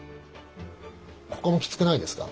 ここもきつくないですか？